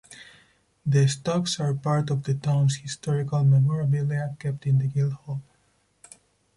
The stocks are part of the town's historical memorabilia kept in the Guildhall.